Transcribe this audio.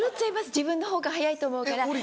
自分のほうが早いと思うから。